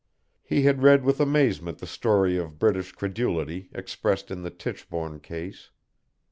He had read with amazement the story of British credulity expressed in the Tichborne Case.